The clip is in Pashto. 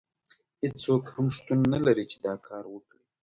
هیڅوک هم شتون نه لري چې دا کار وکړي.